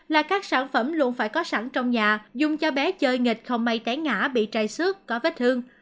là các sản phẩm luôn phải có sẵn trong nhà dùng cho bé chơi nghịch không may té ngã bị trai suốt có vết thương